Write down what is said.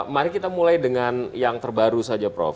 mari kita mulai dengan yang terbaru saja prof